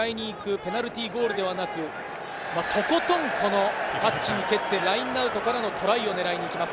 ペナルティーゴールではなく、とことんタッチに蹴って、ラインアウトからのトライを狙いに行きます。